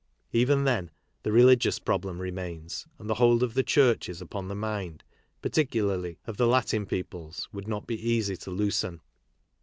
Even then, the religious problem remains ; and the hold of the churches upon the KARL MARX 41 mind, particularly, of the Latin peoples would not be easy to loosen.